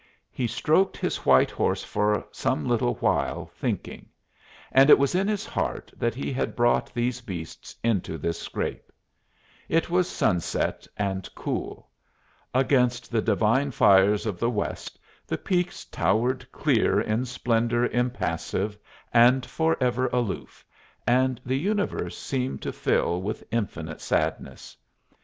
He stroked his white horse for some little while, thinking; and it was in his heart that he had brought these beasts into this scrape. It was sunset and cool. Against the divine fires of the west the peaks towered clear in splendor impassive, and forever aloof, and the universe seemed to fill with infinite sadness.